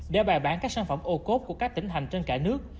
để bài bán các sản phẩm ô cốt của các tỉnh hành trên cả nước